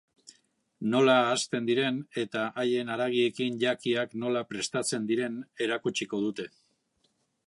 Nola hazten diren eta haien haragiekin jakiak nola prestatzen diren erakutsiko dute.